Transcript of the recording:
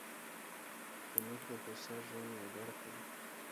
تنور د هوسا ژوند یوه برخه ده